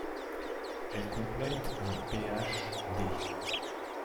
Elle complète un Ph.D.